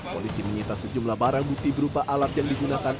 polisi menyita sejumlah barang bukti berupa alat yang digunakan